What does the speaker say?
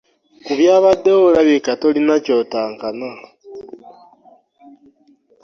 Ku byabaddewo olabika tolina ky'otankana.